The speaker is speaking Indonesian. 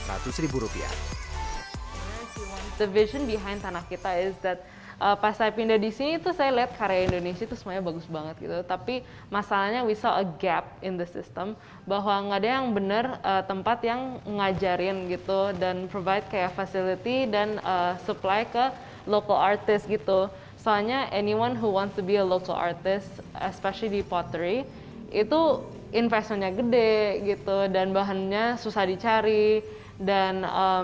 the vision behind tanah kita is that pas saya pindah disini itu saya lihat karya indonesia itu semuanya bagus banget gitu tapi masalahnya we saw a gap in the system bahwa nggak ada yang bener tempat yang mengajarin gitu dan provide kayak facility dan supply ke local artist gitu soalnya anyone who wants to be a local artist especially di pottery itu investmentnya gede gitu dan bahannya susah dicari dan